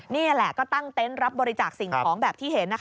นี่แหละก็ตั้งเต็นต์รับบริจาคสิ่งของแบบที่เห็น